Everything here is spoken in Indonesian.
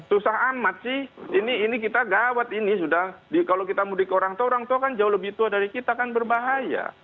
susah amat sih ini kita gawat ini sudah kalau kita mudik orang tua orang tua kan jauh lebih tua dari kita kan berbahaya